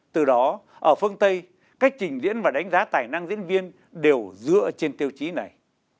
từ đó ở phương tây cách trình diễn và đánh giá tài năng diễn viên đều dựa trên tiêu chí này